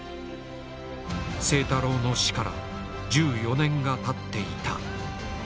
清太郎の死から１４年がたっていた。